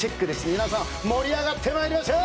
皆さん盛り上がってまいりましょう！